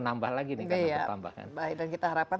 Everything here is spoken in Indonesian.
nambah lagi nih dan kita harapkan